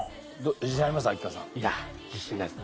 いや自信ないです。